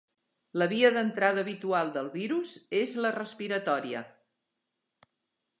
La via d'entrada habitual del virus és la respiratòria.